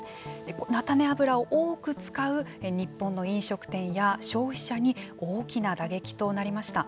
菜種油を多く使う日本の飲食店や消費者に大きな打撃となりました。